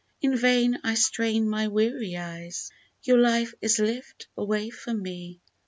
In vain I strain my weary eyes. Your life is lived away from me